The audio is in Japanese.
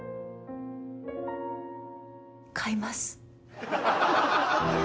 買います。